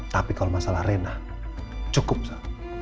tapi kalau masalah rena cukup sih